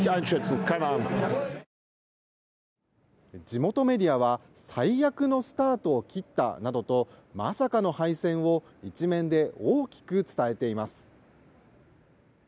地元メディアは最悪のスタートを切ったなどとまさかの敗戦を１面で大きく伝えています。